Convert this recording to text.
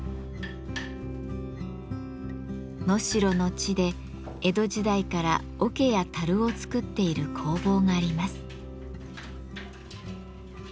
能代の地で江戸時代から桶や樽を作っている工房があります。